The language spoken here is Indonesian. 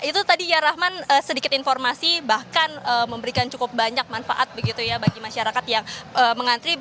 itu tadi ya rahman sedikit informasi bahkan memberikan cukup banyak manfaat begitu ya bagi masyarakat yang mengantri